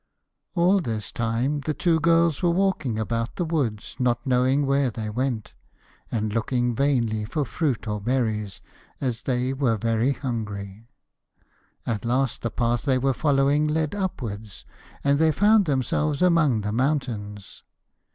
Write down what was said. All this time the two girls were walking about the woods not knowing where they went, and looking vainly for fruit or berries, as they were very hungry. At last the path they were following led upwards, and they found themselves among the mountains.